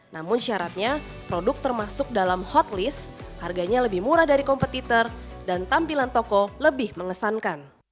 namun syaratnya produk termasuk dalam hotlist harganya lebih murah dari kompetitor dan tampilan toko lebih mengesankan